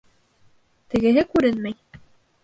Тегеһе күренмәй.